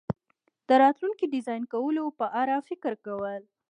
د راتلونکي ډیزاین کولو په اړه فکر کول